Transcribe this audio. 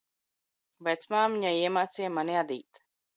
Vecmāmiņa iemācīja mani adīt.